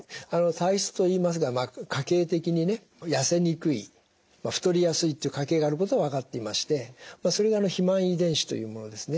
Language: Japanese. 体質といいますが家系的にね痩せにくい太りやすいという家系があることは分かっていましてそれが肥満遺伝子というものですね。